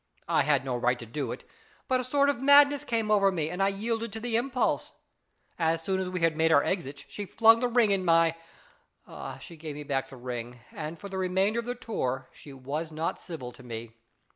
I had no right to do it, but a sort of madness came over me, and I yielded to the impulse. As soon as we had made our exits she flung the ring in my ah, she gave me back the ring, and, for the remainder of the tour, she was not civil to me.